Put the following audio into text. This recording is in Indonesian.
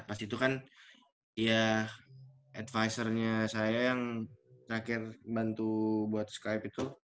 pas itu kan ya advisornya saya yang terakhir bantu buat skype itu